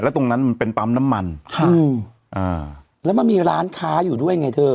ตรงนั้นมันเป็นปั๊มน้ำมันค่ะอืมอ่าแล้วมันมีร้านค้าอยู่ด้วยไงเธอ